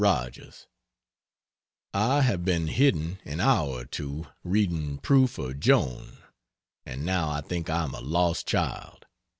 ROGERS, I have been hidden an hour or two, reading proof of Joan and now I think I am a lost child.